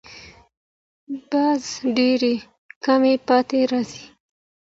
باز ډېر کم پاتې راځي